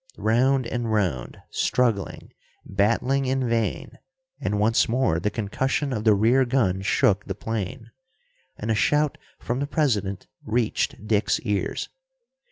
Round and round, struggling, battling in vain and once more the concussion of the rear gun shook the plane. And a shout from the President reached Dick's ears.